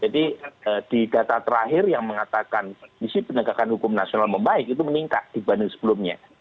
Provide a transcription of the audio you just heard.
jadi di data terakhir yang mengatakan kondisi penegakan hukum nasional membaik itu meningkat dibanding sebelumnya